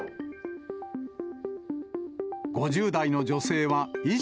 ５０代の女性は意識